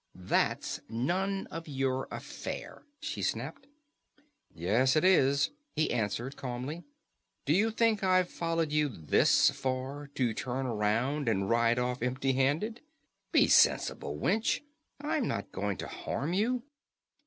"That's none of your affair," she snapped. "Yes, it is," he answered calmly. "Do you think I've followed you this far, to turn around and ride off empty handed? Be sensible, wench. I'm not going to harm you."